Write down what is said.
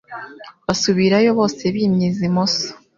basubirayo bose bimyiza imoso,